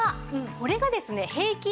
これがですね平均